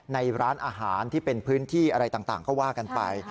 ในร้านอาหารที่เป็นพื้นที่อะไรต่างก็ว่ากันไป